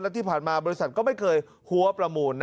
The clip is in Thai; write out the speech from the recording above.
และที่ผ่านมาบริษัทก็ไม่เคยหัวประมูล